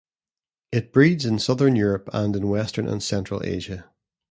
It breeds in southern Europe and in western and central Asia.